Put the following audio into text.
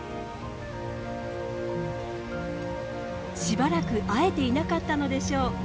しばらく会えていなかったのでしょう。